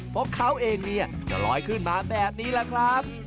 เพราะเขาเองเนี่ยจะลอยขึ้นมาแบบนี้แหละครับ